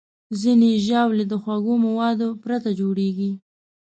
ځینې ژاولې د خوږو موادو پرته جوړېږي.